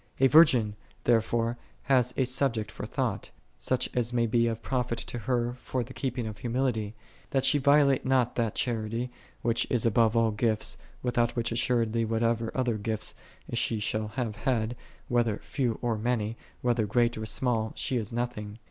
A virgin, therefore, hath a subject for thought, such as may be of profit to her for the keeping of humility, that she violate not that charity, which is above all gifts, without which as suredly whatever other gifts she shall have had, whether few or many, whether great or small, she is nothing.